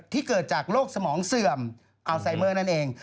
เกิดจากโรคสมองเสื่อมอัลไซเมอร์นั่นเอง